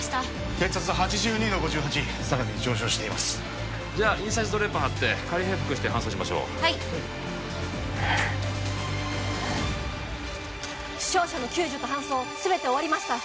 血圧８２の５８さらに上昇していますじゃあインサイズドレープを貼って仮閉腹して搬送しましょうはい負傷者の救助と搬送全て終わりました